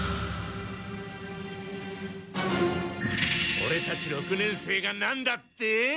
オレたち六年生がなんだって？